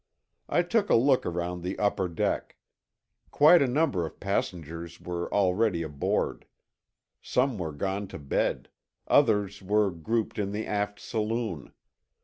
I took a look around the upper deck. Quite a number of passengers were already aboard. Some were gone to bed; others were grouped in the aft saloon.